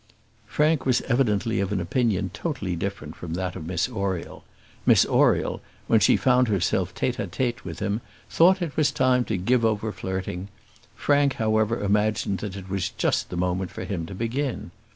Frank was evidently of an opinion totally different from that of Miss Oriel. Miss Oriel, when she found herself tête à tête with him, thought it was time to give over flirting; Frank, however, imagined that it was just the moment for him to begin.